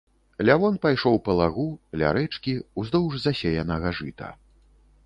Лявон пайшоў па лагу, ля рэчкі, уздоўж засеянага жыта.